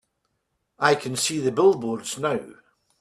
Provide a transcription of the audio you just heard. I can see the billboards now.